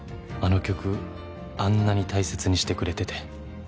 「あの曲あんなに大切にしてくれてて」